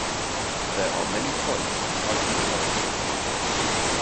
There are many types of sighting devices.